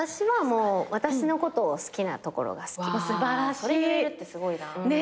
それ言えるってすごいな。